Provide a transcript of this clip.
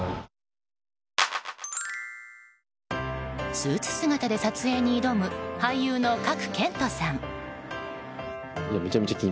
スーツ姿で撮影に挑む俳優の賀来賢人さん。